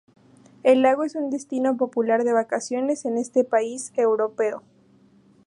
El lago es un destino popular de vacaciones en ese país europeo.